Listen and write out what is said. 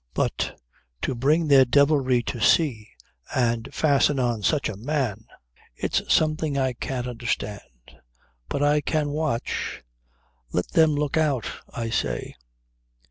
But to bring their devilry to sea and fasten on such a man! ... It's something I can't understand. But I can watch. Let them look out I say!"